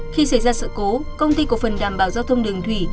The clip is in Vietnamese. khi xảy ra sự cố công ty cổ phần đảm bảo giao thông đường thủy